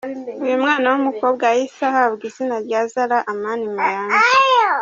Uyu mwana w’umukobwa yahise ahabwa izina rya Xara Amani Mayanja.